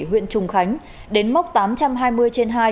huyện trùng khánh đến mốc tám trăm hai mươi trên hai